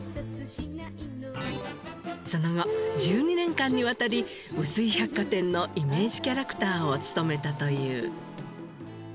その後１２年間にわたりうすい百貨店のイメージキャラクターを務めたという。